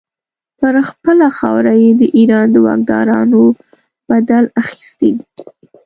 پر خپله خاوره یې د ایران د واکدارانو بدل اخیستی دی.